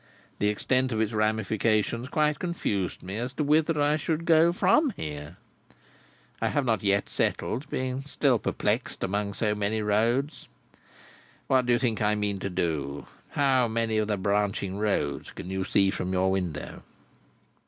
The extent of its ramifications quite confused me as to whither I should go, from here. I have not yet settled, being still perplexed among so many roads. What do you think I mean to do? How many of the branching roads can you see from your window?"